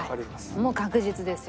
もう確実ですよね。